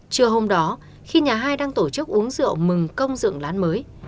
chưa hôm đó khi nhà hai đang tổ chức uống rượu mừng công dưỡng lán mới